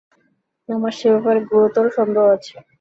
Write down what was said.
আমার সে ব্যাপারে ঘোরতর সন্দেহ আছে।